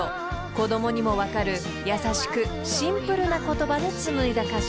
［子供にも分かる優しくシンプルな言葉でつむいだ歌詞］